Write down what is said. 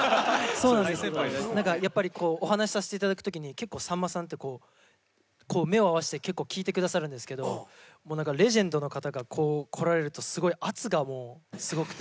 そうなんですけどやっぱりお話しさせて頂く時に結構さんまさんってこう目を合わせて結構聞いて下さるんですけどレジェンドの方がこう来られるとすごい圧がすごくて。